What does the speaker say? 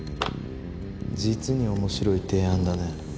実に面白い提案だね。